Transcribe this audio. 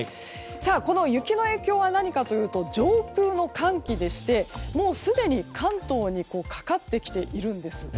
この雪の影響は何かというと上空の寒気でして、すでに関東にかかってきているんです。